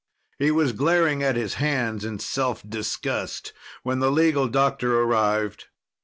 He was glaring at his hands in self disgust when the legal doctor arrived.